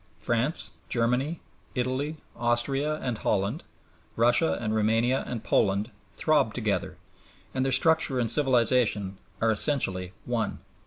France, Germany, Italy, Austria and Holland, Russia and Roumania and Poland, throb together, and their structure and civilization are essentially one.